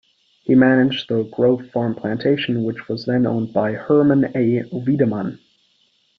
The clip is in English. He managed the Grove Farm Plantation which was then owned by Hermann A. Widemann.